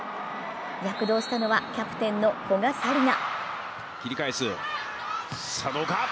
躍動したのはキャプテンの古賀紗理那。